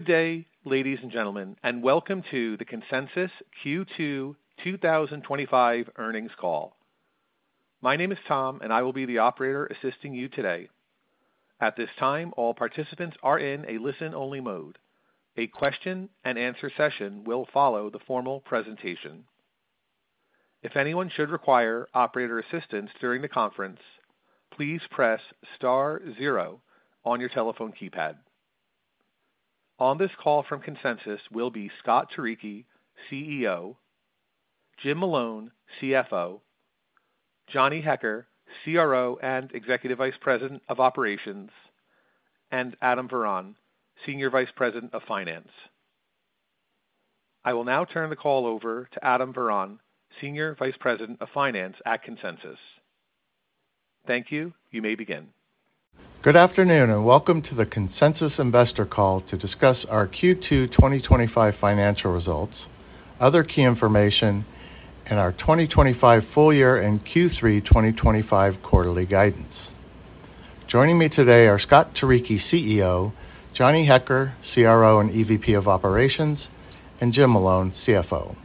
Good day, ladies and gentlemen, and welcome to the Consensus Cloud Solutions Q2 2025 Earnings Call. My name is Tom, and I will be the operator assisting you today. At this time, all participants are in a listen-only mode. A question and answer session will follow the formal presentation. If anyone should require operator assistance during the conference, please press star zero on your telephone keypad. On this call from Consensus will be Scott Turicchi, CEO; Jim Malone, CFO; Johnny Hecker, CRO and Executive Vice President of Operations; and Adam Varon, Senior Vice President of Finance. I will now turn the call over to Adam Varon, Senior Vice President of Finance at Consensus. Thank you. You may begin. Good afternoon and welcome to the Consensus Investor Call to discuss our Q2 2025 financial results, other key information, and our 2025 full year and Q3 2025 quarterly guidance. Joining me today are Scott Turicchi, CEO, Johnny Hecker, CRO and EVP of Operations, and Jim Malone, CFO.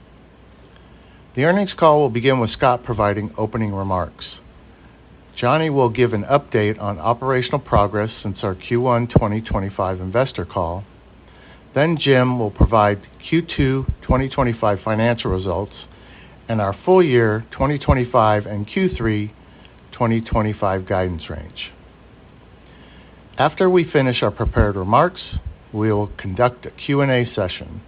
The earnings call will begin with Scott providing opening remarks. Johnny will give an update on operational progress since our Q1 2025 Investor Call. Jim will provide the Q2 2025 financial results and our full year 2025 and Q3 2025 guidance range. After we finish our prepared remarks, we will conduct a Q&A session.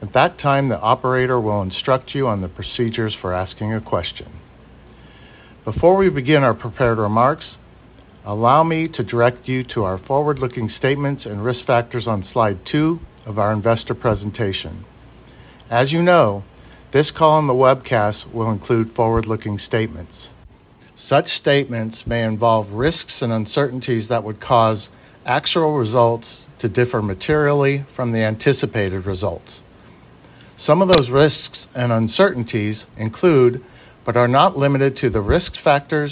At that time, the operator will instruct you on the procedures for asking a question. Before we begin our prepared remarks, allow me to direct you to our forward-looking statements and risk factors on slide 2 of our Investor Presentation. As you know, this call and the webcast will include forward-looking statements. Such statements may involve risks and uncertainties that would cause actual results to differ materially from the anticipated results. Some of those risks and uncertainties include, but are not limited to, the risk factors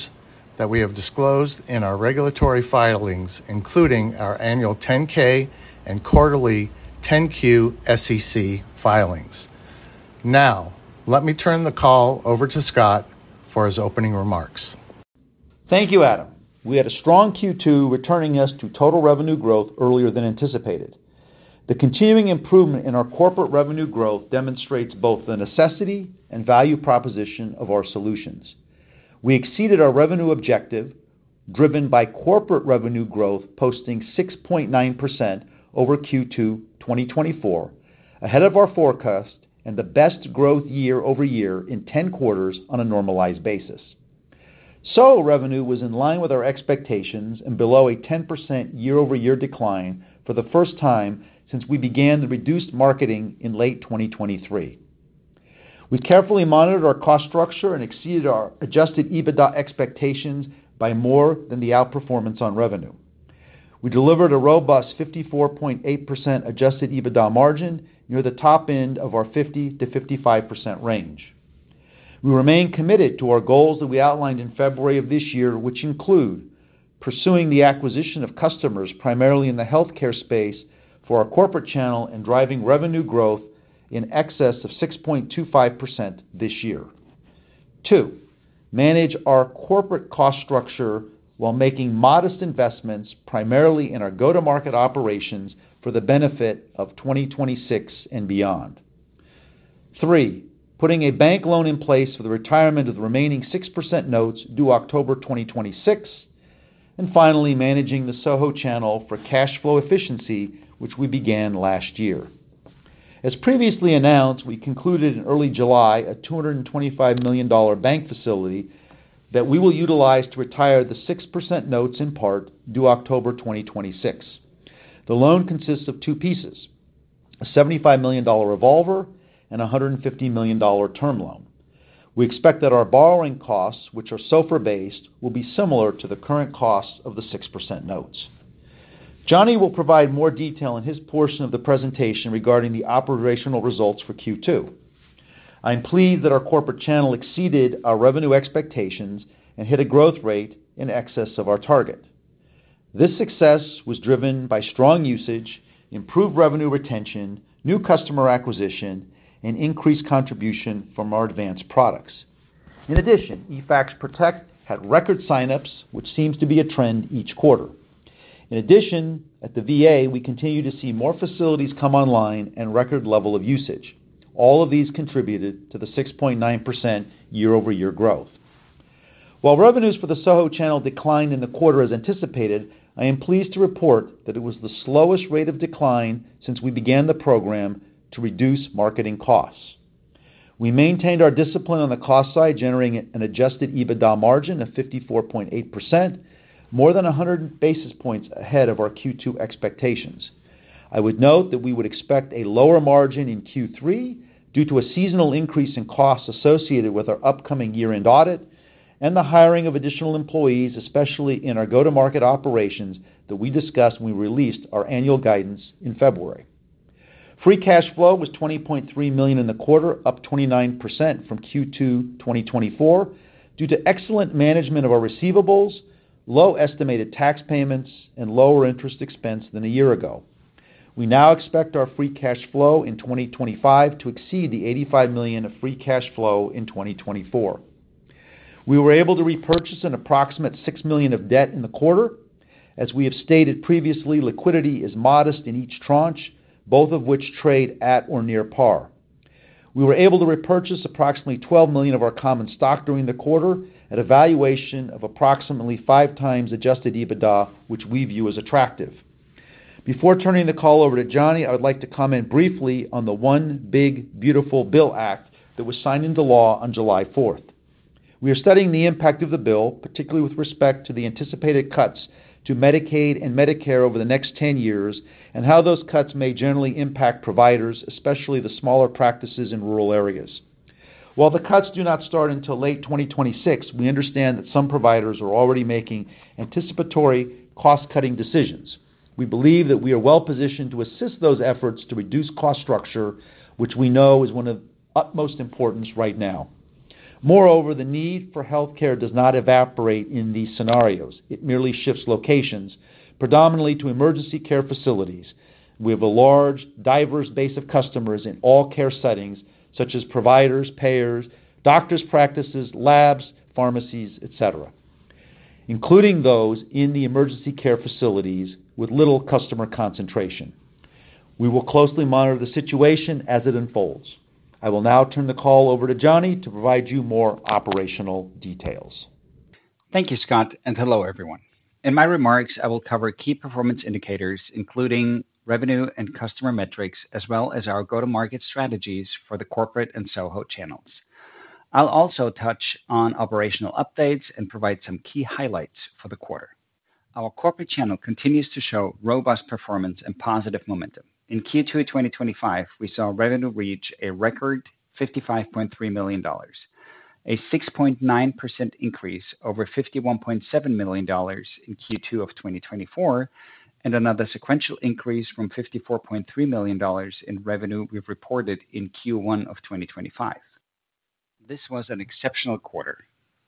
that we have disclosed in our regulatory filings, including our annual 10-K and quarterly 10-Q SEC filings. Now, let me turn the call over to Scott for his opening remarks. Thank you, Adam. We had a strong Q2 returning us to total revenue growth earlier than anticipated. The continuing improvement in our corporate revenue growth demonstrates both the necessity and value proposition of our solutions. We exceeded our revenue objective, driven by corporate revenue growth posting 6.9% over Q2 2024, ahead of our forecast and the best growth year-over-year in 10 quarters on a normalized basis. SoHo revenue was in line with our expectations and below a 10% year-over-year decline for the first time since we began the reduced marketing in late 2023. We carefully monitored our cost structure and exceeded our adjusted EBITDA expectations by more than the outperformance on revenue. We delivered a robust 54.8% adjusted EBITDA margin, near the top end of our 50%-55% range. We remain committed to our goals that we outlined in February of this year, which include pursuing the acquisition of customers primarily in the healthcare space for our corporate channel and driving revenue growth in excess of 6.25% this year. Two, manage our corporate cost structure while making modest investments primarily in our go-to-market operations for the benefit of 2026 and beyond. Three, putting a bank facility in place for the retirement of the remaining 6% notes due October 2026, and finally, managing the SoHo channel for cash flow efficiency, which we began last year. As previously announced, we concluded in early July a $225 million bank facility that we will utilize to retire the 6% notes in part due October 2026. The loan consists of two pieces: a $75 million revolver and a $150 million term loan. We expect that our borrowing costs, which are SOFR-based, will be similar to the current costs of the 6% notes. Johnny will provide more detail in his portion of the presentation regarding the operational results for Q2. I am pleased that our corporate channel exceeded our revenue expectations and hit a growth rate in excess of our target. This success was driven by strong usage, improved revenue retention, new customer acquisition, and increased contribution from our advanced products. In addition, eFax Protect had record signups, which seems to be a trend each quarter. In addition, at the Department of Veterans Affairs, we continue to see more facilities come online and record level of usage. All of these contributed to the 6.9% year-over-year growth. While revenues for the SoHo channel declined in the quarter as anticipated, I am pleased to report that it was the slowest rate of decline since we began the program to reduce marketing costs. We maintained our discipline on the cost side, generating an adjusted EBITDA margin of 54.8%, more than 100 basis points ahead of our Q2 expectations. I would note that we would expect a lower margin in Q3 due to a seasonal increase in costs associated with our upcoming year-end audit and the hiring of additional employees, especially in our go-to-market operations that we discussed when we released our annual guidance in February. Free cash flow was $20.3 million in the quarter, up 29% from Q2 2024, due to excellent management of our receivables, low estimated tax payments, and lower interest expense than a year ago. We now expect our free cash flow in 2025 to exceed the $85 million of free cash flow in 2024. We were able to repurchase an approximate $6 million of debt in the quarter. As we have stated previously, liquidity is modest in each tranche, both of which trade at or near par. We were able to repurchase approximately $12 million of our common stock during the quarter at a valuation of approximately five times adjusted EBITDA, which we view as attractive. Before turning the call over to Johnny, I would like to comment briefly on the One Big Beautiful Bill Act that was signed into law on July 4th. We are studying the impact of the bill, particularly with respect to the anticipated cuts to Medicaid and Medicare over the next 10 years and how those cuts may generally impact providers, especially the smaller practices in rural areas. While the cuts do not start until late 2026, we understand that some providers are already making anticipatory cost-cutting decisions. We believe that we are well positioned to assist those efforts to reduce cost structure, which we know is one of utmost importance right now. Moreover, the need for healthcare does not evaporate in these scenarios. It merely shifts locations, predominantly to emergency care facilities. We have a large, diverse base of customers in all care settings, such as providers, payers, doctors, practices, labs, pharmacies, etc., including those in the emergency care facilities with little customer concentration. We will closely monitor the situation as it unfolds. I will now turn the call over to Johnny to provide you more operational details. Thank you, Scott, and hello everyone. In my remarks, I will cover key performance indicators, including revenue and customer metrics, as well as our go-to-market strategies for the corporate and SoHo channels. I'll also touch on operational updates and provide some key highlights for the quarter. Our corporate channel continues to show robust performance and positive momentum. In Q2 2025, we saw revenue reach a record $55.3 million, a 6.9% increase over $51.7 million in Q2 of 2024, and another sequential increase from $54.3 million in revenue we've reported in Q1 of 2025. This was an exceptional quarter.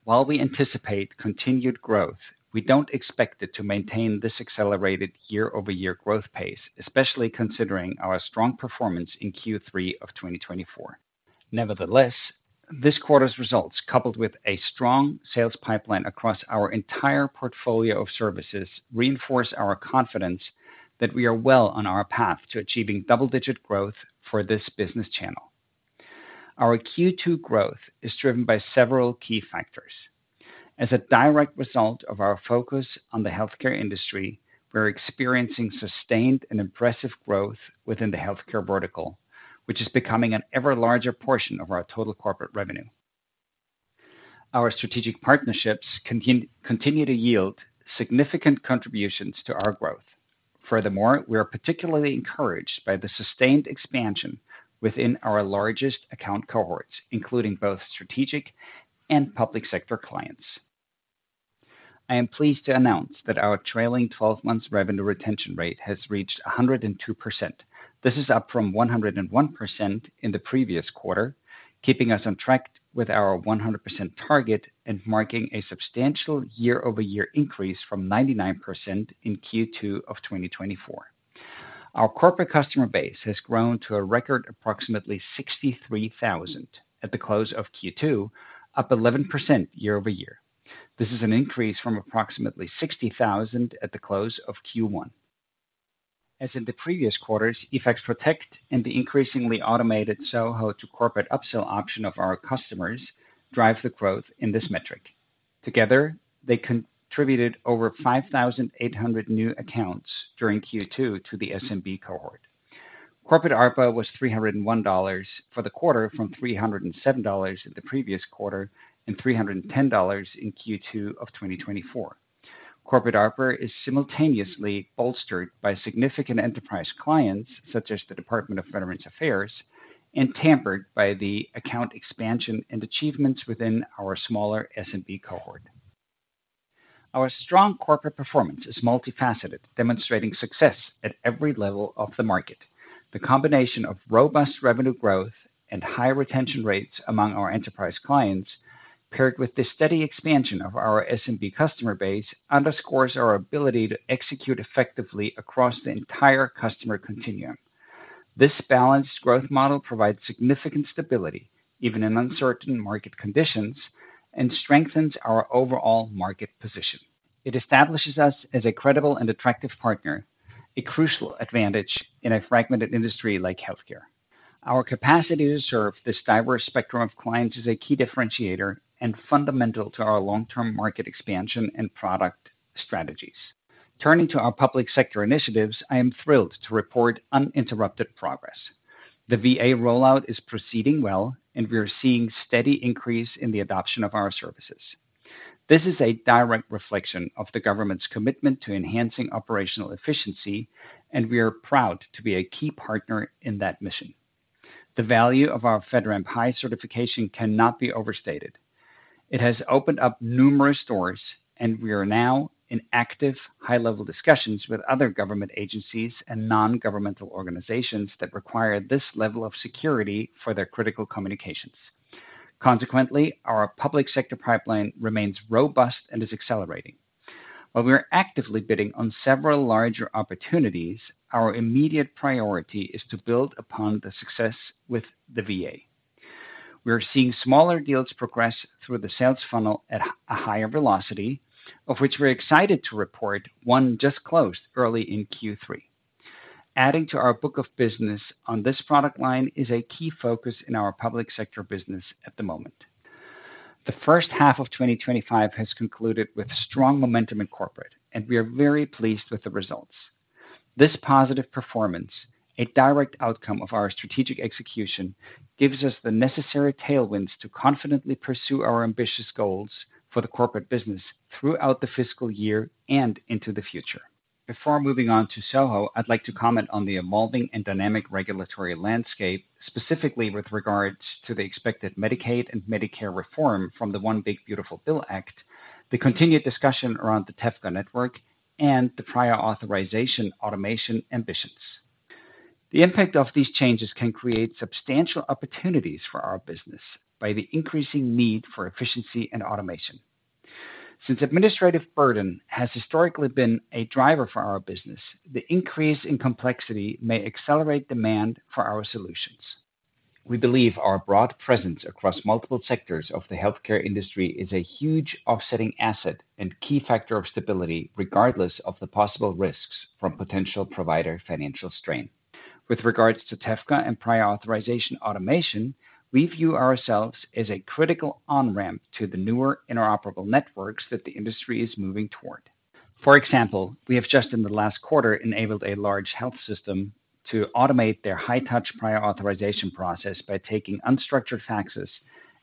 While we anticipate continued growth, we don't expect it to maintain this accelerated year-over-year growth pace, especially considering our strong performance in Q3 of 2024. Nevertheless, this quarter's results, coupled with a strong sales pipeline across our entire portfolio of services, reinforce our confidence that we are well on our path to achieving double-digit growth for this business channel. Our Q2 growth is driven by several key factors. As a direct result of our focus on the healthcare industry, we are experiencing sustained and impressive growth within the healthcare vertical, which is becoming an ever-larger portion of our total corporate revenue. Our strategic partnerships continue to yield significant contributions to our growth. Furthermore, we are particularly encouraged by the sustained expansion within our largest account cohorts, including both strategic and public sector clients. I am pleased to announce that our trailing 12-month revenue retention rate has reached 102%. This is up from 101% in the previous quarter, keeping us on track with our 100% target and marking a substantial year-over-year increase from 99% in Q2 of 2024. Our corporate customer base has grown to a record approximately 63,000 at the close of Q2, up 11% year-over-year. This is an increase from approximately 60,000 at the close of Q1. As in the previous quarters, eFax Protect and the increasingly automated SoHo to corporate upsell option of our customers drive the growth in this metric. Together, they contributed over 5,800 new accounts during Q2 to the SMB cohort. Corporate ARPA was $301 for the quarter, from $307 in the previous quarter and $310 in Q2 of 2024. Corporate ARPA is simultaneously bolstered by significant enterprise clients, such as the Department of Veterans Affairs, and pampered by the account expansion and achievements within our smaller SMB cohort. Our strong corporate performance is multifaceted, demonstrating success at every level of the market. The combination of robust revenue growth and high retention rates among our enterprise clients, paired with the steady expansion of our SMB customer base, underscores our ability to execute effectively across the entire customer continuum. This balanced growth model provides significant stability, even in uncertain market conditions, and strengthens our overall market position. It establishes us as a credible and attractive partner, a crucial advantage in a fragmented industry like healthcare. Our capacity to serve this diverse spectrum of clients is a key differentiator and fundamental to our long-term market expansion and product strategies. Turning to our public sector initiatives, I am thrilled to report uninterrupted progress. The VA rollout is proceeding well, and we are seeing a steady increase in the adoption of our services. This is a direct reflection of the government's commitment to enhancing operational efficiency, and we are proud to be a key partner in that mission. The value of our FedRAMP High Certification cannot be overstated. It has opened up numerous doors, and we are now in active high-level discussions with other government agencies and non-governmental organizations that require this level of security for their critical communications. Consequently, our public sector pipeline remains robust and is accelerating. While we are actively bidding on several larger opportunities, our immediate priority is to build upon the success with the VA. We are seeing smaller deals progress through the sales funnel at a higher velocity, of which we are excited to report one just closed early in Q3. Adding to our book of business on this product line is a key focus in our public sector business at the moment. The first half of 2025 has concluded with strong momentum in corporate, and we are very pleased with the results. This positive performance, a direct outcome of our strategic execution, gives us the necessary tailwinds to confidently pursue our ambitious goals for the corporate business throughout the fiscal year and into the future. Before moving on to SoHo, I'd like to comment on the evolving and dynamic regulatory landscape, specifically with regards to the expected Medicaid and Medicare reform from the One Big Beautiful Bill Act, the continued discussion around the TEFCA network, and the prior authorization automation ambitions. The impact of these changes can create substantial opportunities for our business by the increasing need for efficiency and automation. Since administrative burden has historically been a driver for our business, the increase in complexity may accelerate demand for our solutions. We believe our broad presence across multiple sectors of the healthcare industry is a huge offsetting asset and key factor of stability, regardless of the possible risks from potential provider financial strain. With regards to TEFCA and prior authorization automation, we view ourselves as a critical on-ramp to the newer interoperable networks that the industry is moving toward. For example, we have just in the last quarter enabled a large health system to automate their high-touch prior authorization process by taking unstructured faxes,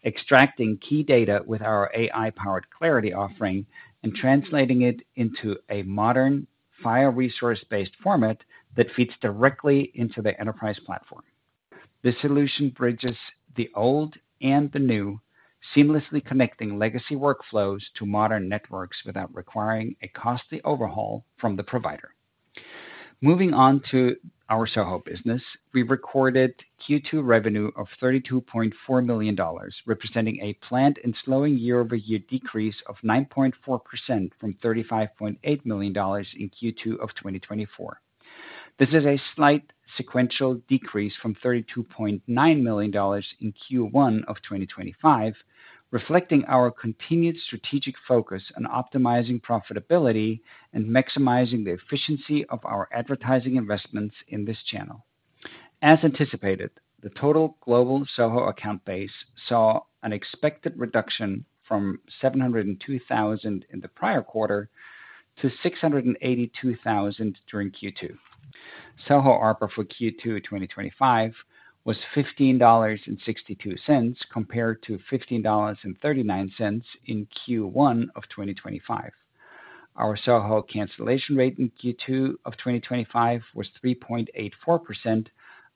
extracting key data with our AI-powered Clarity offering, and translating it into a modern, file-resource-based format that feeds directly into the enterprise platform. This solution bridges the old and the new, seamlessly connecting legacy workflows to modern networks without requiring a costly overhaul from the provider. Moving on to our SoHo business, we recorded Q2 revenue of $32.4 million, representing a planned and slowing year-over-year decrease of 9.4% from $35.8 million in Q2 of 2024. This is a slight sequential decrease from $32.9 million in Q1 of 2025, reflecting our continued strategic focus on optimizing profitability and maximizing the efficiency of our advertising investments in this channel. As anticipated, the total global SoHo account base saw an expected reduction from 702,000 in the prior quarter to 682,000 during Q2. SoHo ARPA for Q2 2025 was $15.62 compared to $15.39 in Q1 of 2025. Our SoHo cancellation rate in Q2 of 2025 was 3.84%,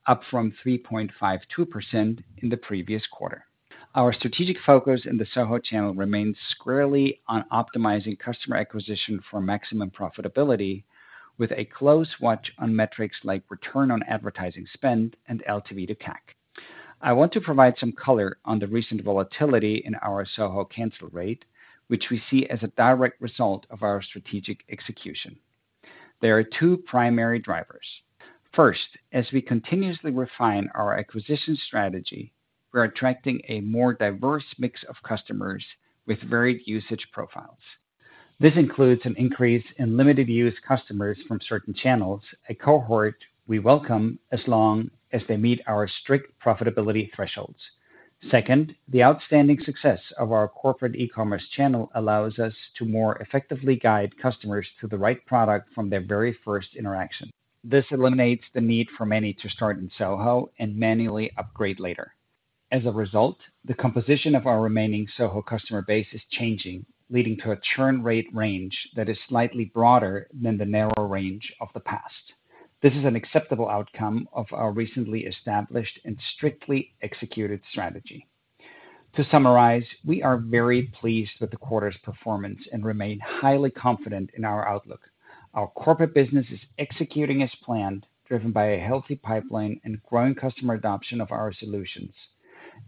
up from 3.52% in the previous quarter. Our strategic focus in the SoHo channel remains squarely on optimizing customer acquisition for maximum profitability, with a close watch on metrics like return on advertising spend and LTV to CAC. I want to provide some color on the recent volatility in our SoHo cancel rate, which we see as a direct result of our strategic execution. There are two primary drivers. First, as we continuously refine our acquisition strategy, we are attracting a more diverse mix of customers with varied usage profiles. This includes an increase in limited-use customers from certain channels, a cohort we welcome as long as they meet our strict profitability thresholds. Second, the outstanding success of our corporate e-commerce channel allows us to more effectively guide customers to the right product from their very first interaction. This eliminates the need for many to start in SoHo and manually upgrade later. As a result, the composition of our remaining SoHo customer base is changing, leading to a churn rate range that is slightly broader than the narrow range of the past. This is an acceptable outcome of our recently established and strictly executed strategy. To summarize, we are very pleased with the quarter's performance and remain highly confident in our outlook. Our corporate business is executing as planned, driven by a healthy pipeline and growing customer adoption of our solutions.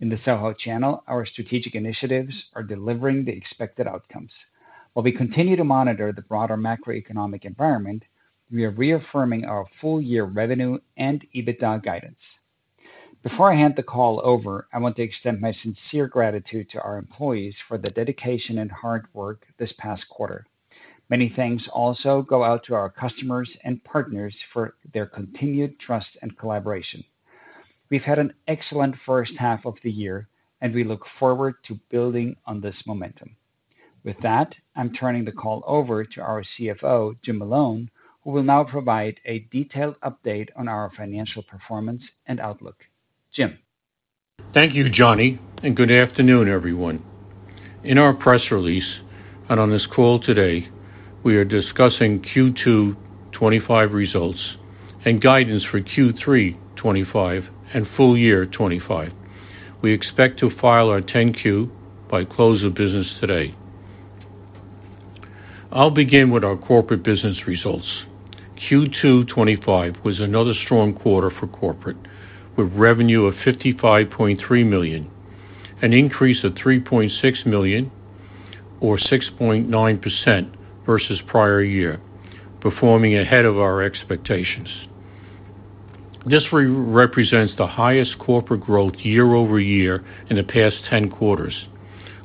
In the SoHo channel, our strategic initiatives are delivering the expected outcomes. While we continue to monitor the broader macroeconomic environment, we are reaffirming our full-year revenue and EBITDA guidance. Before I hand the call over, I want to extend my sincere gratitude to our employees for the dedication and hard work this past quarter. Many thanks also go out to our customers and partners for their continued trust and collaboration. We've had an excellent first half of the year, and we look forward to building on this momentum. With that, I'm turning the call over to our CFO, Jim Malone, who will now provide a detailed update on our financial performance and outlook. Jim. Thank you, Johnny, and good afternoon, everyone. In our press release and on this call today, we are discussing Q2 2025 results and guidance for Q3 2025 and full year 2025. We expect to file our 10-Q by close of business today. I'll begin with our corporate business results. Q2 2025 was another strong quarter for corporate, with revenue of $55.3 million, an increase of $3.6 million, or 6.9% versus prior year, performing ahead of our expectations. This represents the highest corporate growth year-over-year in the past 10 quarters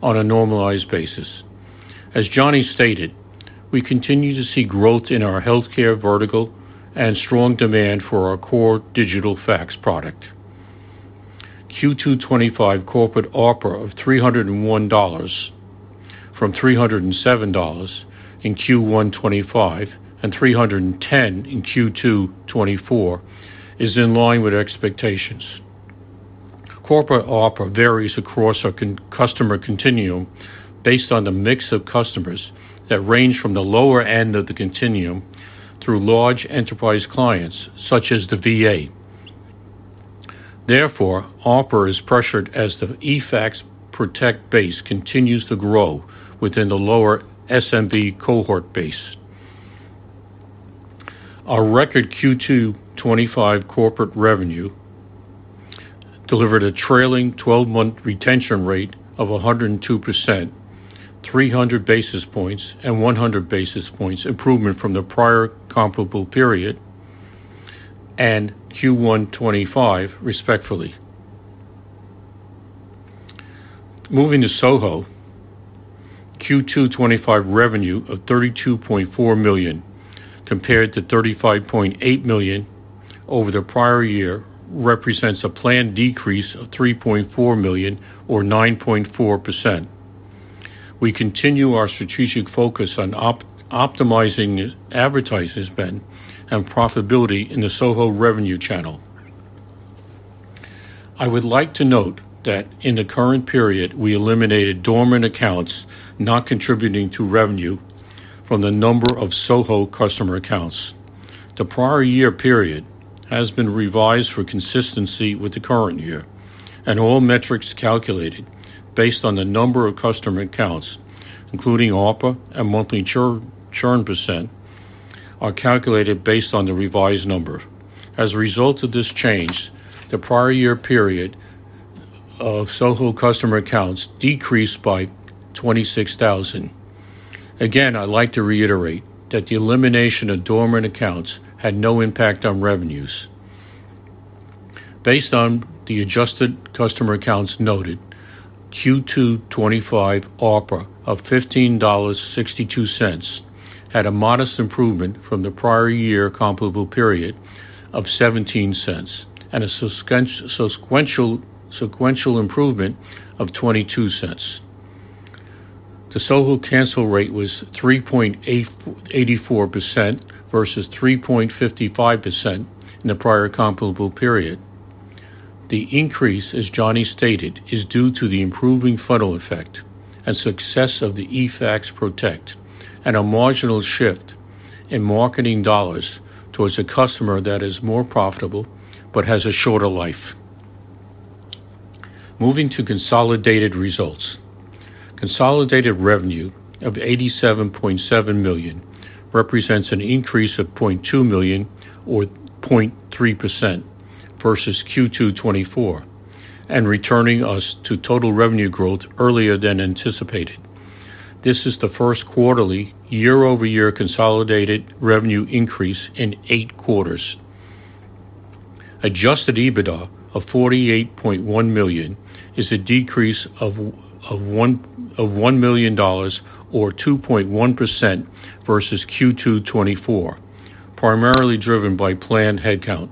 on a normalized basis. As Johnny stated, we continue to see growth in our healthcare vertical and strong demand for our core digital fax product. Q2 2025 corporate ARPA of $301 from $307 in Q1 2025 and $310 in Q2 2024 is in line with expectations. Corporate ARPA varies across our customer continuum based on the mix of customers that range from the lower end of the continuum through large enterprise clients such as the Department of Veterans Affairs. Therefore, ARPA is pressured as the eFax Protect base continues to grow within the lower SMB cohort base. Our record Q2 2025 corporate revenue delivered a trailing 12-month retention rate of 102%, 300 basis points, and 100 basis points improvement from the prior comparable period and Q1 2025, respectively. Moving to SoHo, Q2 2025 revenue of $32.4 million compared to $35.8 million over the prior year represents a planned decrease of $3.4 million or 9.4%. We continue our strategic focus on optimizing advertising spend and profitability in the SoHo revenue channel. I would like to note that in the current period, we eliminated dormant accounts not contributing to revenue from the number of SoHo customer accounts. The prior year period has been revised for consistency with the current year, and all metrics calculated based on the number of customer accounts, including ARPA and monthly churn %, are calculated based on the revised number. As a result of this change, the prior year period of SoHo customer accounts decreased by 26,000. Again, I'd like to reiterate that the elimination of dormant accounts had no impact on revenues. Based on the adjusted customer accounts noted, Q2 2025 ARPA of $15.62 had a modest improvement from the prior year comparable period of $0.17 and a substantial sequential improvement of $0.22. The SoHo cancel rate was 3.84% versus 3.55% in the prior comparable period. The increase, as Johnny stated, is due to the improving funnel effect and success of the eFax Protect and a marginal shift in marketing dollars towards a customer that is more profitable but has a shorter life. Moving to consolidated results, consolidated revenue of $87.7 million represents an increase of $0.2 million or 0.3% versus Q2 2024, and returning us to total revenue growth earlier than anticipated. This is the first quarterly year-over-year consolidated revenue increase in eight quarters. Adjusted EBITDA of $48.1 million is a decrease of $1 million or 2.1% versus Q2 2024, primarily driven by planned headcount.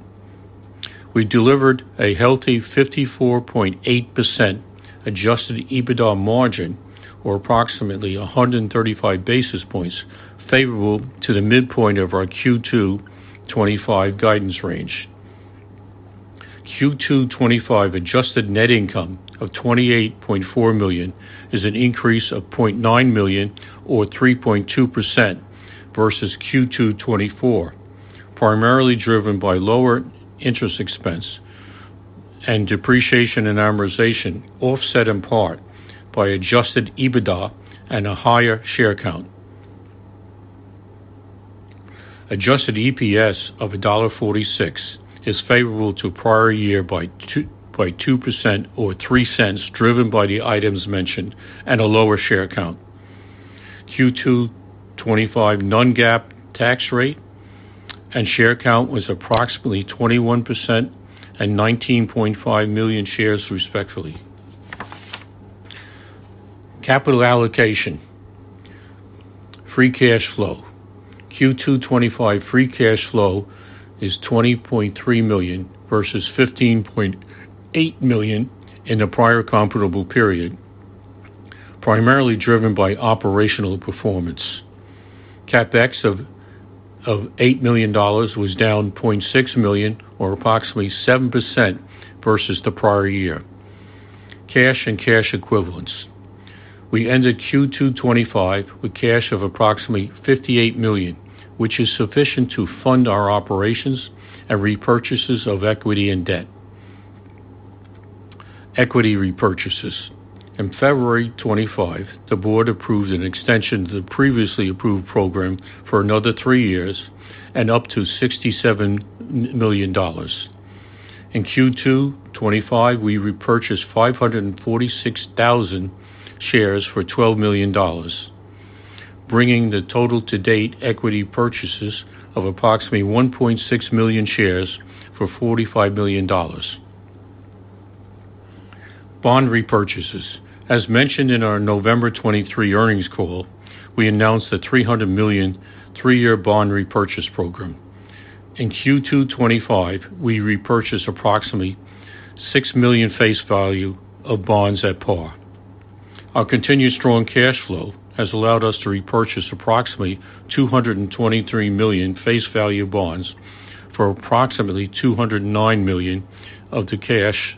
We delivered a healthy 54.8% adjusted EBITDA margin or approximately 135 basis points, favorable to the midpoint of our Q2 2025 guidance range. Q2 2025 adjusted net income of $28.4 million is an increase of $0.9 million or 3.2% versus Q2 2024, primarily driven by lower interest expense and depreciation and amortization offset in part by adjusted EBITDA and a higher share count. Adjusted EPS of $1.46 is favorable to prior year by 2% or $0.03, driven by the items mentioned and a lower share count. Q2 2025 non-GAAP tax rate and share count was approximately 21% and 19.5 million shares, respectively. Capital allocation, free cash flow, Q2 2025 free cash flow is $20.3 million versus $15.8 million in the prior comparable period, primarily driven by operational performance. CapEx of $8 million was down $0.6 million or approximately 7% versus the prior year. Cash and cash equivalents, we ended Q2 2025 with cash of approximately $58 million, which is sufficient to fund our operations and repurchases of equity and debt. Equity repurchases, in February 2025, the board approved an extension of the previously approved program for another three years and up to $67 million. In Q2 2025, we repurchased 546,000 shares for $12 million, bringing the total to date equity purchases of approximately 1.6 million shares for $45 million. Bond repurchases, as mentioned in our November 2023 earnings call, we announced a $300 million three-year bond repurchase program. In Q2 2025, we repurchased approximately $6 million face value of bonds at par. Our continued strong cash flow has allowed us to repurchase approximately $223 million face value bonds for approximately $209 million cash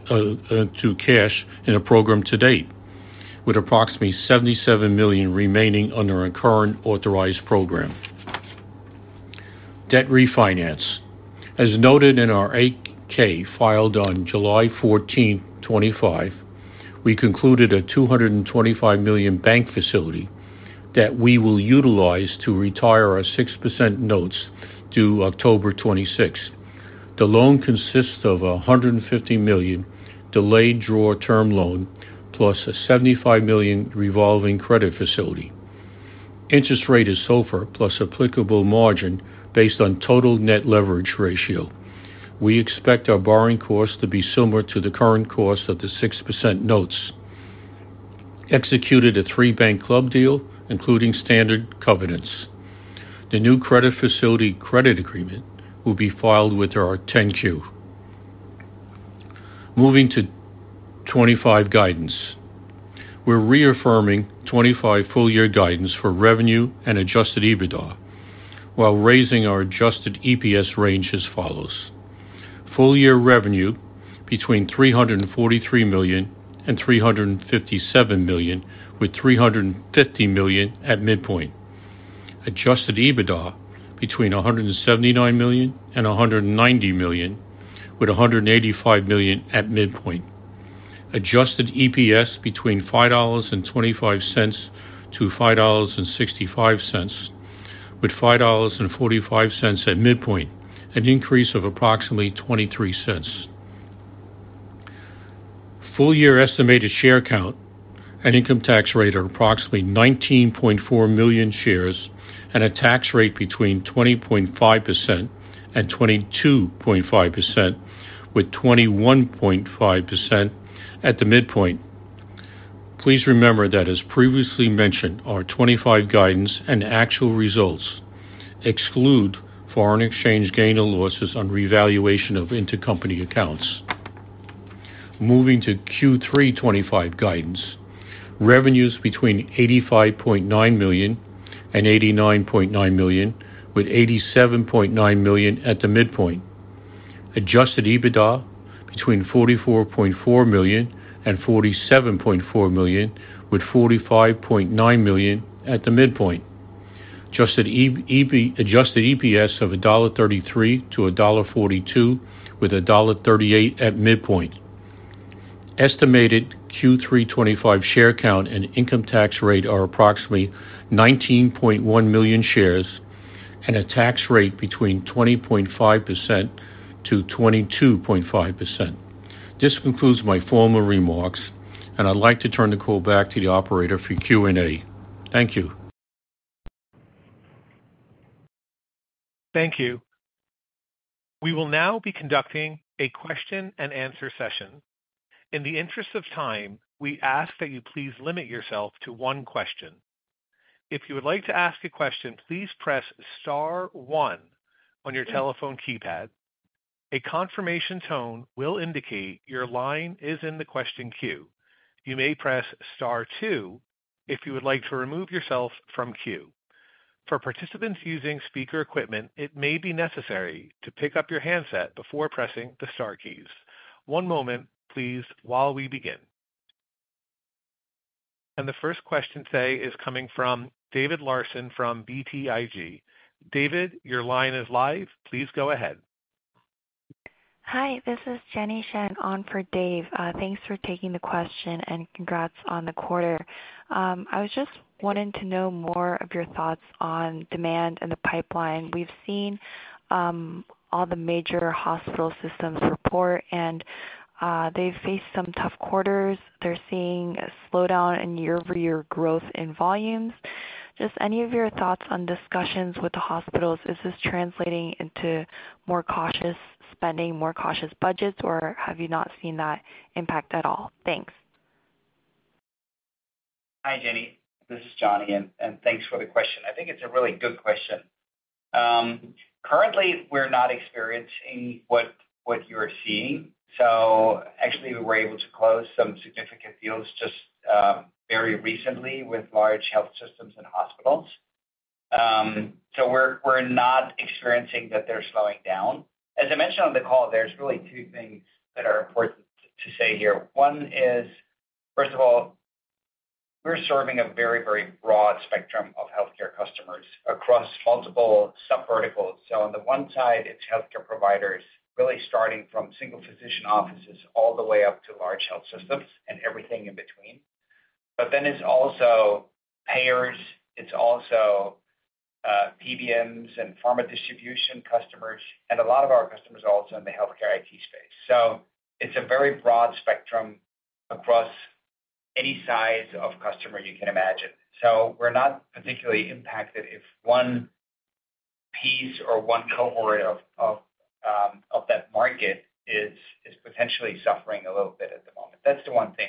in a program to date, with approximately $77 million remaining under our current authorized program. Debt refinance, as noted in our 8-K filed on July 14th, 2025, we concluded a $225 million bank facility that we will utilize to retire our 6% notes due October 2026. The loan consists of a $150 million delayed draw term loan plus a $75 million revolving credit facility. Interest rate is SOFR plus applicable margin based on total net leverage ratio. We expect our borrowing cost to be similar to the current cost of the 6% notes. Executed a three-bank club deal, including standard covenants. The new credit facility credit agreement will be filed with our 10-Q. Moving to 2025 guidance, we're reaffirming 2025 full-year guidance for revenue and adjusted EBITDA while raising our adjusted EPS range as follows. Full-year revenue between $343 million and $357 million, with $350 million at midpoint. Adjusted EBITDA between $179 million and $190 million, with $185 million at midpoint. Adjusted EPS between $5.25-$5.65, with $5.45 at midpoint, an increase of approximately $0.23. Full-year estimated share count and income tax rate are approximately 19.4 million shares and a tax rate between 20.5% and 22.5%, with 21.5% at the midpoint. Please remember that, as previously mentioned, our 2025 guidance and actual results exclude foreign exchange gain or losses on revaluation of intercompany accounts. Moving to Q3 2025 guidance, revenues between $85.9 million and $89.9 million, with $87.9 million at the midpoint. Adjusted EBITDA between $44.4 million and $47.4 million, with $45.9 million at the midpoint. Adjusted EPS of $1.33-$1.42, with $1.38 at midpoint. Estimated Q3 2025 share count and income tax rate are approximately 19.1 million shares and a tax rate between 20.5%-22.5%. This concludes my formal remarks, and I'd like to turn the call back to the operator for Q&A. Thank you. Thank you. We will now be conducting a question and answer session. In the interest of time, we ask that you please limit yourself to one question. If you would like to ask a question, please press star one on your telephone keypad. A confirmation tone will indicate your line is in the question queue. You may press star two if you would like to remove yourself from the queue. For participants using speaker equipment, it may be necessary to pick up your handset before pressing the star key. One moment, please, while we begin. The first question today is coming from David Larsen from BTIG. David, your line is live. Please go ahead. Hi, this is Jenny Shen on for Dave. Thanks for taking the question and congrats on the quarter. I was just wanting to know more of your thoughts on demand and the pipeline. We've seen all the major hospital systems report, and they've faced some tough quarters. They're seeing a slowdown in year-over-year growth in volumes. Just any of your thoughts on discussions with the hospitals? Is this translating into more cautious spending, more cautious budgets, or have you not seen that impact at all? Thanks. Hi, Jenny. This is Johnny, and thanks for the question. I think it's a really good question. Currently, we're not experiencing what you are seeing. We were able to close some significant deals just very recently with large health systems and hospitals. We're not experiencing that they're slowing down. As I mentioned on the call, there are really two things that are important to say here. One is, first of all, we're serving a very, very broad spectrum of healthcare customers across multiple sub-verticals. On the one side, it's healthcare providers, really starting from single physician offices all the way up to large health systems and everything in between. It's also payers, PBMs, and pharma distribution customers, and a lot of our customers are also in the healthcare IT space. It's a very broad spectrum across any size of customer you can imagine. We're not particularly impacted if one piece or one cohort of that market is potentially suffering a little bit at the moment. That's the one thing.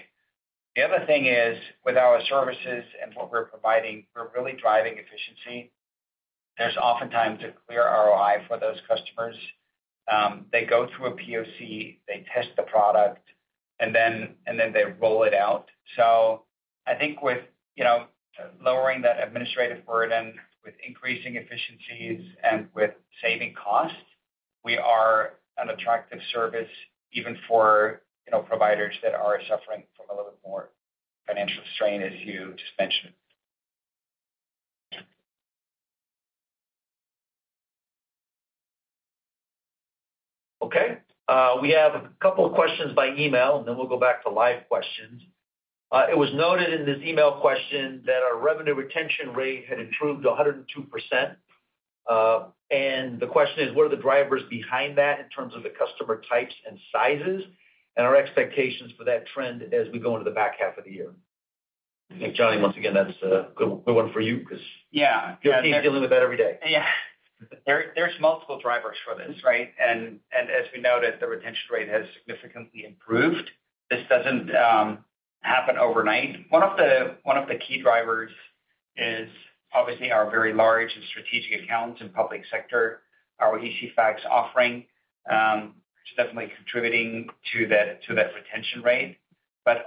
The other thing is, with our services and what we're providing, we're really driving efficiency. There's oftentimes a clear ROI for those customers. They go through a POC, they test the product, and then they roll it out. With lowering that administrative burden, with increasing efficiencies, and with saving costs, we are an attractive service even for providers that are suffering from a little bit more financial strain, as you just mentioned. Okay. We have a couple of questions by email, and then we'll go back to live questions. It was noted in this email question that our revenue retention rate had improved to 102%. The question is, what are the drivers behind that in terms of the customer types and sizes and our expectations for that trend as we go into the back half of the year? I think, Johnny, once again, that's a good one for you because you're dealing with that every day. Yeah. There's multiple drivers for this, right? As we know, the retention rate has significantly improved. This doesn't happen overnight. One of the key drivers is obviously our very large and strategic accounts and public sector, our eFax offering, definitely contributing to that retention rate.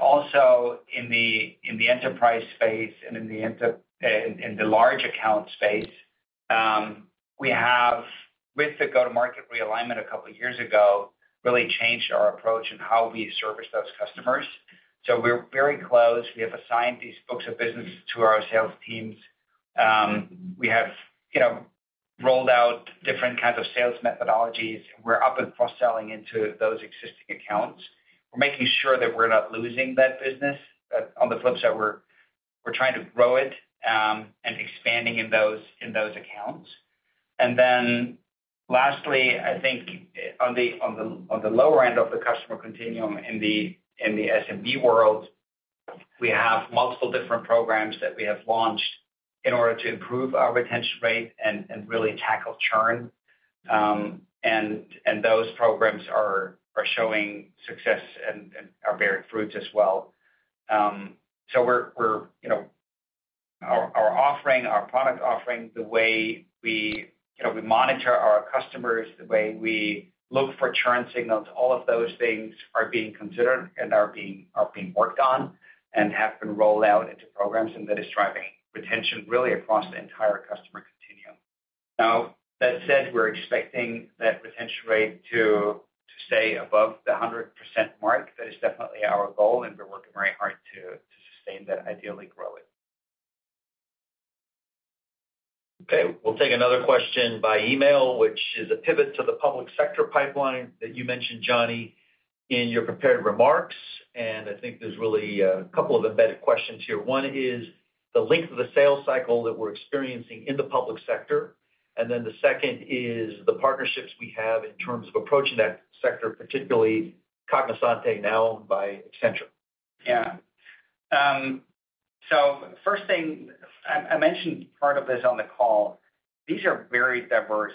Also, in the enterprise space and in the large account space, we have, with the go-to-market realignment a couple of years ago, really changed our approach in how we service those customers. We're very close. We have assigned these books of business to our sales teams. We have rolled out different kinds of sales methodologies. We're up and for selling into those existing accounts. We're making sure that we're not losing that business. On the flip side, we're trying to grow it and expand in those accounts. Lastly, I think on the lower end of the customer continuum in the SMB world, we have multiple different programs that we have launched in order to improve our retention rate and really tackle churn. Those programs are showing success and are bearing fruits as well. Our offering, our product offering, the way we monitor our customers, the way we look for churn signals, all of those things are being considered and are being worked on and have been rolled out into programs and that is driving retention really across the entire customer continuum. Now, that said, we're expecting that retention rate to stay above the 100% mark. That is definitely our goal, and we're working very hard to sustain that, ideally grow it. Okay. We'll take another question by email, which is a pivot to the public sector pipeline that you mentioned, Johnny, in your prepared remarks. I think there's really a couple of embedded questions here. One is the length of the sales cycle that we're experiencing in the public sector. The second is the partnerships we have in terms of approaching that sector, particularly Accenture. Yeah. First thing, I mentioned part of this on the call. These are very diverse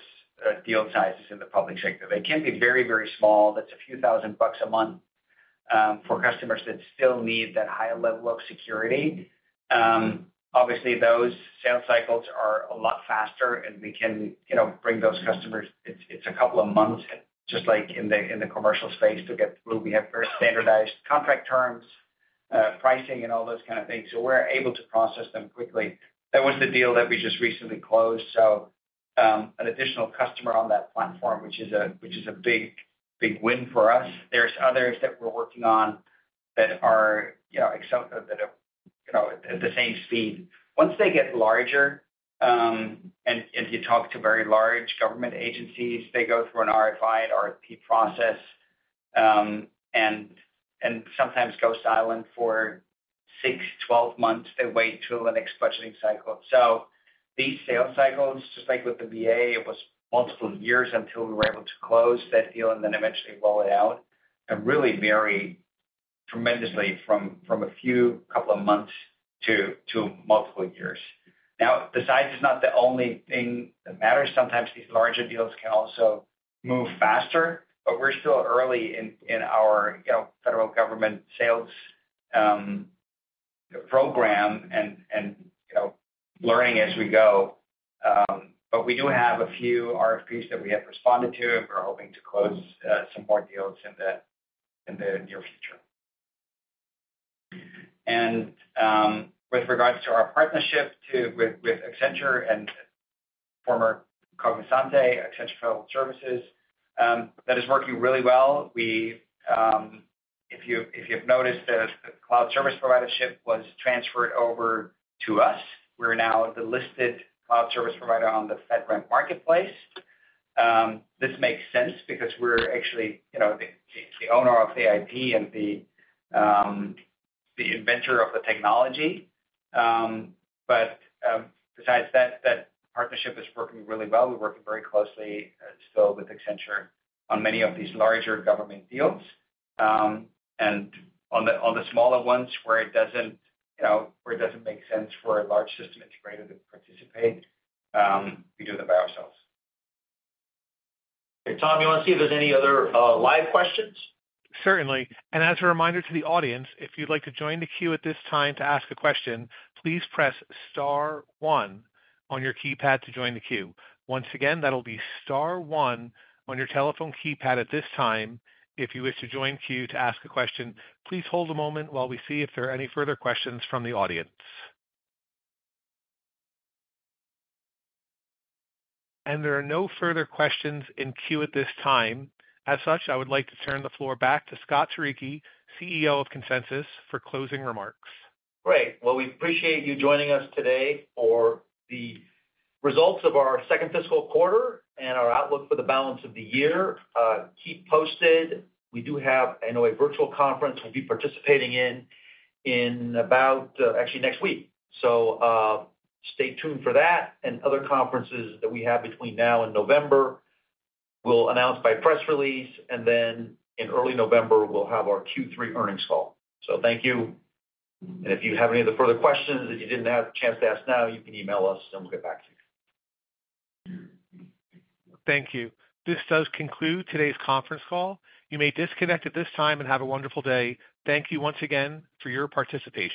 deal sizes in the public sector. They can be very, very small, that's a few thousand bucks a month for customers that still need that high level of security. Obviously, those sales cycles are a lot faster, and we can bring those customers. It's a couple of months, just like in the commercial space, to get through. We have very standardized contract terms, pricing, and all those kinds of things, so we're able to process them quickly. That was the deal that we just recently closed, so an additional customer on that platform, which is a big win for us. There are others that we're working on that are at the same speed. Once they get larger, and if you talk to very large government agencies, they go through an RFI and RFP process and sometimes go silent for 6, 12 months. They wait until the next budgeting cycle. These sales cycles, just like with the Department of Veterans Affairs, it was multiple years until we were able to close that deal and then eventually roll it out. They really vary tremendously from a couple of months to multiple years. The size is not the only thing that matters. Sometimes these larger deals can also move faster, but we're still early in our federal government sales program and learning as we go. We do have a few RFPs that we have responded to. We're hoping to close some more deals in the near future. With regards to our partnership with Accenture, that is working really well. If you have noticed, the cloud service provider ship was transferred over to us. We're now the listed cloud service provider on the FedRAMP Marketplace. This makes sense because we're actually the owner of the IP and the inventor of the technology. Besides that, that partnership is working really well. We're working very closely still with Accenture on many of these larger government deals, and on the smaller ones where it doesn't make sense for a large system integrator to participate, we do that by ourselves. Tom, you want to see if there's any other live questions? Certainly. As a reminder to the audience, if you'd like to join the queue at this time to ask a question, please press star one on your keypad to join the queue. Once again, that'll be star one on your telephone keypad at this time. If you wish to join the queue to ask a question, please hold a moment while we see if there are any further questions from the audience. There are no further questions in queue at this time. As such, I would like to turn the floor back to Scott Turicchi, CEO of Consensus, for closing remarks. Great. We appreciate you joining us today for the results of our second fiscal quarter and our outlook for the balance of the year. Keep posted. We do have, I know, a virtual conference I'll be participating in actually next week. Stay tuned for that and other conferences that we have between now and November. We'll announce by press release, and then in early November, we'll have our Q3 earnings call. Thank you. If you have any other further questions that you didn't have a chance to ask now, you can email us and we'll get back to you. Thank you. This does conclude today's conference call. You may disconnect at this time and have a wonderful day. Thank you once again for your participation.